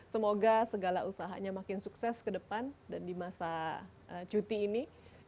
semoga segala usahanya makin sukses ke depan dan di masa cuti ini